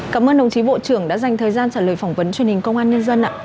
cảm ơn đồng chí bộ trưởng đã dành thời gian trả lời phỏng vấn truyền hình công an nhân dân ạ